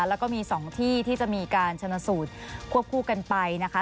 แล้วก็มี๒ที่ที่จะมีการชนสูตรควบคู่กันไปนะคะ